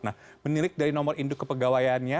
nah menilik dari nomor induk kepegawaiannya